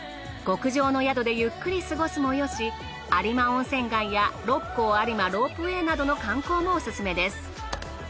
極上の宿でゆっくり過ごすもよし有馬温泉街や六甲有馬ロープウェイなどの観光もオススメです。